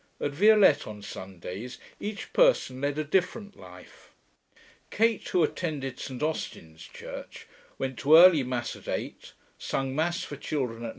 At Violette on Sundays each person led a different life. Kate, who attended St. Austin's church, went to early Mass at eight, sung Mass for children at 9.